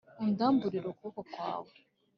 undamburire ukuboko kwawe.